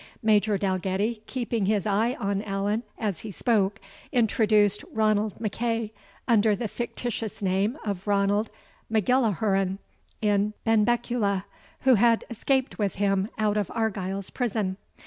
Major Dalgetty, keeping his eye on Allan as he spoke, introduced Ranald MacEagh under the fictitious name of Ranald MacGillihuron in Benbecula, who had escaped with him out of Argyle's prison.